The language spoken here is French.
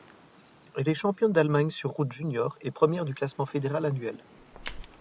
Elle est championne d'Allemagne sur route juniors et première du classement fédéral annuel.